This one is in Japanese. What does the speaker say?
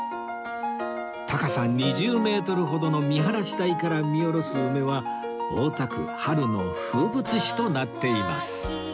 高さ２０メートルほどの見晴らし台から見下ろす梅は大田区春の風物詩となっています